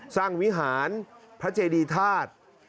วิหารพระเจดีธาตุ